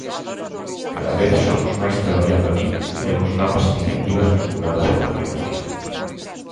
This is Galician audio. Cada vez somos máis traballando aquí e temos novas iniciativas vinculadas coa ciencia.